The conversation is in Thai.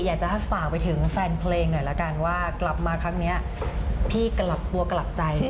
อยากจะฝากไปถึงแฟนเพลงหน่อยละกันว่ากลับมาครั้งนี้พี่กลับตัวกลับใจ